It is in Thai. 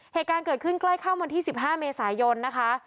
เหตุการณ์เกิดขึ้นใกล้ค่ำวันที่๑๕เมษายนนะคะ